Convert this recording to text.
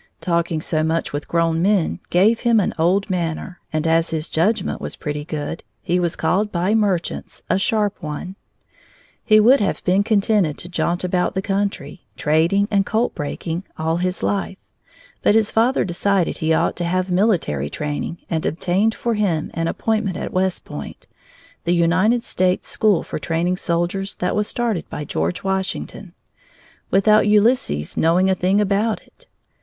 Talking so much with grown men gave him an old manner, and as his judgment was pretty good he was called by merchants a "sharp one." He would have been contented to jaunt about the country, trading and colt breaking, all his life, but his father decided he ought to have military training and obtained for him an appointment at West Point (the United States' school for training soldiers that was started by George Washington) without Ulysses knowing a thing about it.